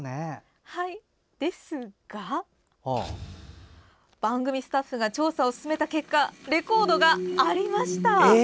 ですが、番組スタッフが調査を進めた結果レコードがありました。